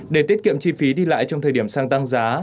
để tiết kiệm chi phí đi lại trong thời điểm xăng tăng giá